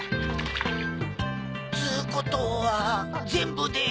つことは全部で。